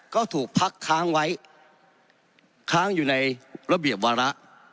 ก็ถูกพักค้างไว้ค้างอยู่ในระเบียบวาระ